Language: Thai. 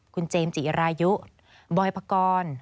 คุณเจมส์จิรายุบอยปกรณ์